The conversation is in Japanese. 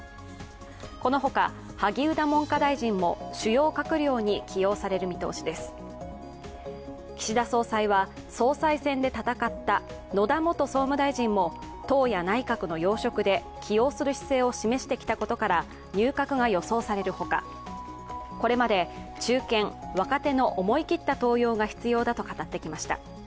この他、萩生田文科大臣も主要閣僚に起用される見通しです岸田総裁は総裁選で戦った野田元総務大臣も党や内閣の要職で起用する姿勢を示していたことから入閣が予想されるほかこれまで中堅・若手の思い切った登用が必要だと語ってきました。